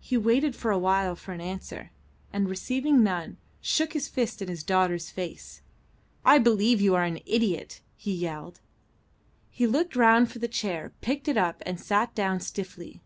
He waited for a while for an answer, and receiving none shook his fist in his daughter's face. "I believe you are an idiot!" he yelled. He looked round for the chair, picked it up and sat down stiffly.